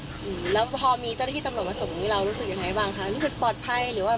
แล้วพอมีเต็มโรคมาส่งนี้รูสึกยังไงบ้างค่ะรู้สึกปลอดภัยหรือว่า